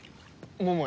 桃井